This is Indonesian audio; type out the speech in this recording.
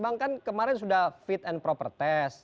bang kan kemarin sudah fit and proper test